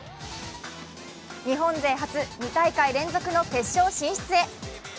日本勢初、２大会連続の決勝進出へ。